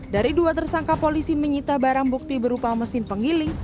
dari dua tersangka polisi menyita barang bukti berupa mesin penggiling